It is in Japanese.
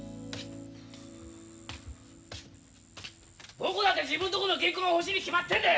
・どこだって自分とこの原稿が欲しいに決まってんだよ！